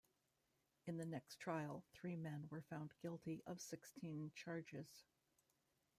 In the next trial, three men were found guilty of sixteen charges.